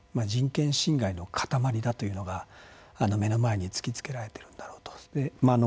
人権侵害の塊だというのが、目の前に突きつけられているんだろうと。